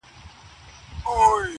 له سالو سره به څوك ستايي اورونه-